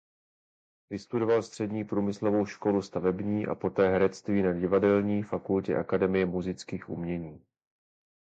Vystudoval střední průmyslovou školu stavební a poté herectví na Divadelní fakultě Akademie múzických umění.